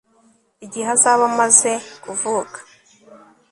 igihe azaba amaze kuvuka